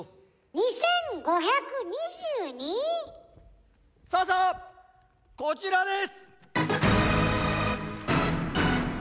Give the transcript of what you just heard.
２５２２⁉・さあさあこちらです！